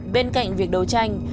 bên cạnh việc đấu tranh